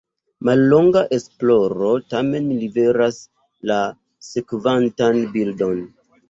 Mallonga esploro tamen liveras la sekvantan bildon.